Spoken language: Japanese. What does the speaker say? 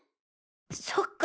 そっか。